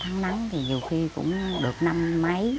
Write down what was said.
thắng nắng thì nhiều khi cũng được năm mấy